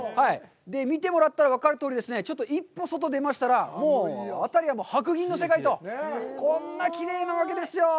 見てもらったら分かるとおり、ちょっと一歩外に出ましたら、もう辺りは白銀の世界と、こんなきれいなわけですよ！